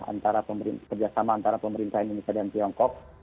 antara kerjasama antara pemerintah indonesia dan tiongkok